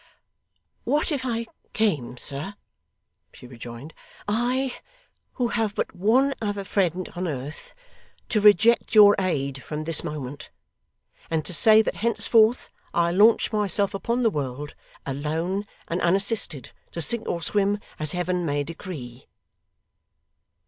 'What if I came, sir,' she rejoined, 'I who have but one other friend on earth, to reject your aid from this moment, and to say that henceforth I launch myself upon the world, alone and unassisted, to sink or swim as Heaven may decree!